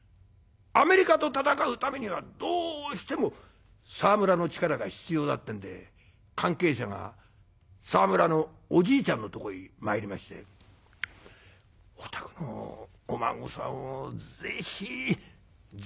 アメリカと戦うためにはどうしても沢村の力が必要だってんで関係者が沢村のおじいちゃんのとこへ参りまして「お宅のお孫さんをぜひ全日本軍に入団させたい。